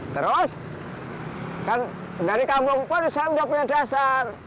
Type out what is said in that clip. terus kan dari kampung pun saya sudah punya dasar